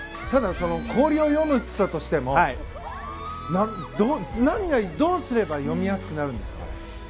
ただ氷を読むといっても何をどうすれば読みやすくなるんですか？